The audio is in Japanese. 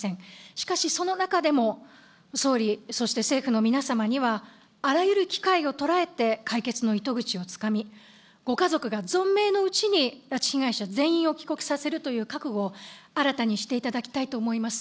しかしその中でも、総理、そして政府の皆様には、あらゆる機会を捉えて解決の糸口をつかみ、ご家族が存命のうちに、拉致被害者全員を帰国させるという覚悟を新たにしていただきたいと思います。